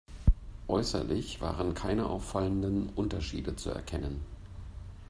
Äußerlich waren keine auffallenden Unterschiede zu erkennen.